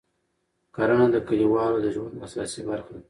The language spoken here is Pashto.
کرنه د کلیوالو د ژوند اساسي برخه ده